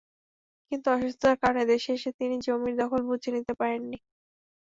কিন্তু অসুস্থতার কারণে দেশে এসে তিনি জমির দখল বুঝে নিতে পারেননি।